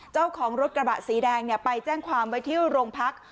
เจ้าของรถกระบะสีแดงไปแจ้งความไว้ที่โรงพัก